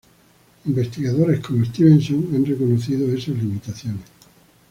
Investigadores como Stevenson han reconocido esas limitaciones.